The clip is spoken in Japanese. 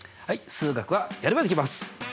数学はやればできます！